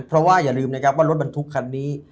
เพราะว่าอย่าลืมนะครับว่ารถบรรทุกคันนี้